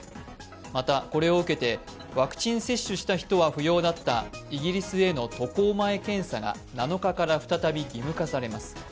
また、これを受けてワクチン接種した人は不要だったイギリスへの渡航前検査が７日から再び義務化されます。